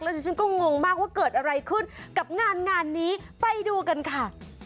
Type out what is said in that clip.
ฉันก็งงมากว่าเกิดอะไรขึ้นกับงานงานนี้ไปดูกันค่ะ